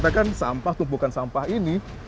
kalau dikatakan sampah tumpukan sampah ini